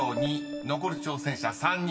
［残る挑戦者３人］